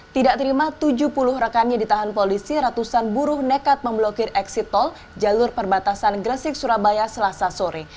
tidak terima tujuh puluh rekannya ditahan polisi ratusan buruh nekat memblokir eksit tol jalur perbatasan gresik surabaya selasa sore